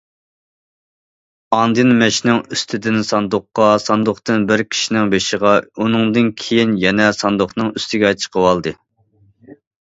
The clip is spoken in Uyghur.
ئاندىن مەشنىڭ ئۈستىدىن ساندۇققا، ساندۇقتىن بىر كىشىنىڭ بېشىغا، ئۇنىڭدىن كېيىن يەنە ساندۇقنىڭ ئۈستىگە چىقىۋالدى.